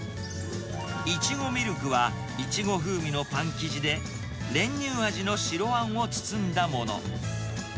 いちごミルクは、イチゴ風味のパン生地で、練乳味の白あんを包んだもの。